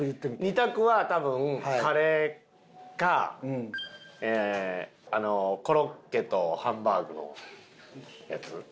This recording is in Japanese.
２択は多分カレーかあのコロッケとハンバーグのやつ。